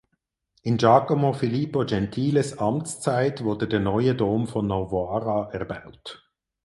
In Giacomo Filippo Gentiles Amtszeit wurde der neue Dom von Novara erbaut.